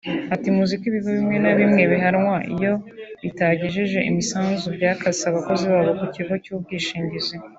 Ati “Muziko ibigo bimwe na bimwe bihanwa iyo bitagejeje imisanzu byakase abakozi babo ku kigo cy’ubwishingizi